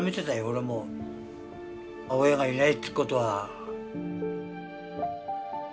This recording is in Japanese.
親がいないってことは。